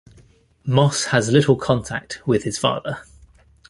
Moss has little contact with his father.